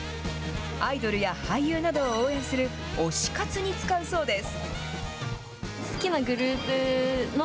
アイドルや俳優などを応援する推し活に使うそうです。